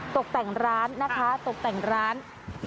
ตกแต่งร้านนะคะตกแต่งร้าน